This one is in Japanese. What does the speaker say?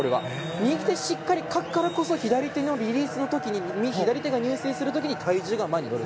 右手でしっかりかくからこそ左手のリリースの時に左手が入水する時に体重が前に乗る。